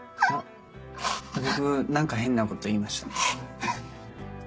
僕何か変なこと言いました？